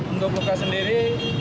untuk luka sendiri